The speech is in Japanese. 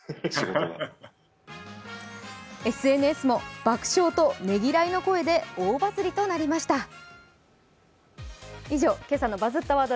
ＳＮＳも、爆笑とねぎらいの声が大バズりとなりました。